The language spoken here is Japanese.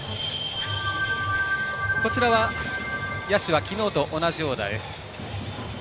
こちらは野手は昨日と同じオーダーです。